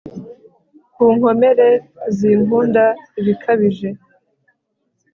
ku nkomere zinkunda ibikabije